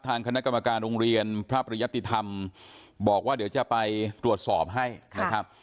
ทางคณะกรรมการโรงเรียนพระปริยติธรรมบอกว่าเดี๋ยวจะไปตรวจสอบให้นะครับ